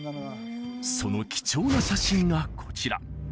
その貴重な写真がこちら